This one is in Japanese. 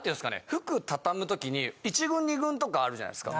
服畳む時に１軍２軍とかあるじゃないですか。